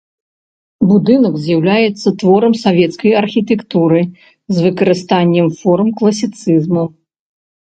Будынак з'яўляецца творам савецкай архітэктуры з выкарыстаннем форм класіцызму.